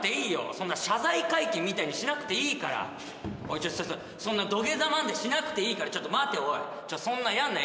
そんな謝罪会見みたいにしなくていいからおいちょっとそんな土下座までしなくていいからちょっと待ておいそんなやんな